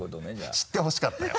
知ってほしかったよ。